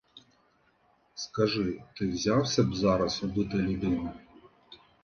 Скажи, ти взявся б зараз убити людину?